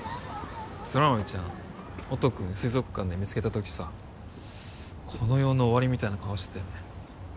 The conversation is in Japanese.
空豆ちゃん音君水族館で見つけた時さこの世の終わりみたいな顔してたよね